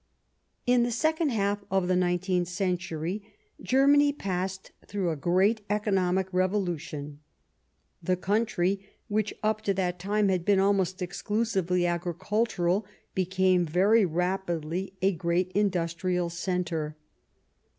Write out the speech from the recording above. In the second half of the nineteenth century Germany passed through a great economic revolu tion. The country, which up to that Dwifocracy ^^^^^^^^^^^ almost exclusively agri cultural, became very rapidly a great industrial centre.